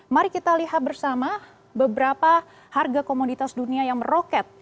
mari kita lihat bersama beberapa harga komoditas dunia yang meroket